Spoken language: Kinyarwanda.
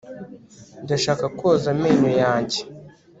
ndashaka koza amenyo yanjye